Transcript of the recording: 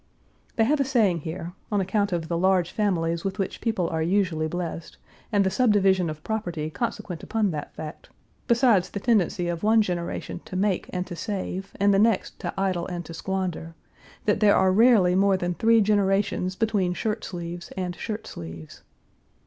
They have a saying here on account of the large families with which people are usually blessed, and the subdivision of property consequent upon that fact, besides the tendency of one generation to make and to save, and the next to idle and to squander, that there are rarely more than three generations between shirt sleeves and shirt sleeves.